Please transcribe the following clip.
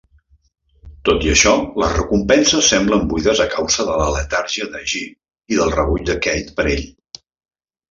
Tot i això, les recompenses semblen buides a causa de la letargia de G i del rebuig de Kate per ell.